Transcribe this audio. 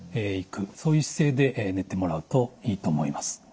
そういう姿勢で寝てもらうといいと思います。